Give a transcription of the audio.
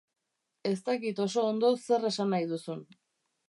Ez dakit oso ondo zer esan nahi duzun.